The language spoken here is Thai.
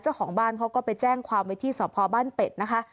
เจ้าของบ้านเขาก็ไปแจ้งความไว้ที่สพบ้านเป็ดนะคะ